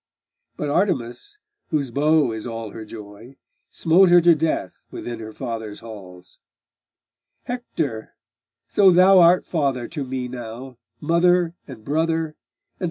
But Artemis, whose bow is all her joy, Smote her to death within her father's halls. Hector! so thou art father to me now, Mother, and brother, and husband fair and strong!